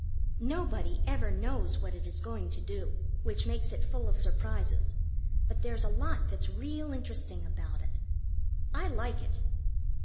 Nobody ever knows what it is going to do, which makes it full of surprises, but there's a lot that's real interesting about it. I like it.